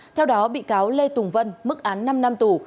theo đó bị cáo lê tùng vân mức án năm năm tù